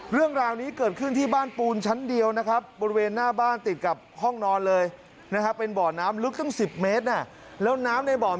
เรื่องราวนี้เกิดขึ้นที่บ้านปูนชั้นเดียวนะครับ